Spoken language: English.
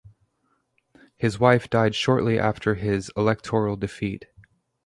His wife died shortly after his electoral defeat.